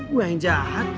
gue yang jahat